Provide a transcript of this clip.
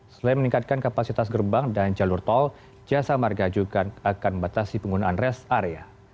selain meningkatkan kapasitas gerbang dan jalur tol jasa marga juga akan membatasi penggunaan res area